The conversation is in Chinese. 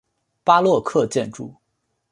巴洛克建筑。